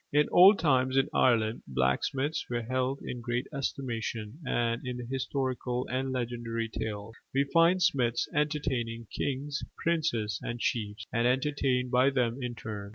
In old times in Ireland, blacksmiths were held in great estimation; and in the historical and legendary tales, we find smiths entertaining kings, princes, and chiefs, and entertained by them in turn.